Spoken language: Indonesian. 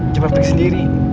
cepet pergi sendiri